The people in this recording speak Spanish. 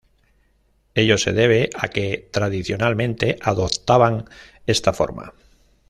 Ello se debe a que, tradicionalmente, adoptaban esta forma.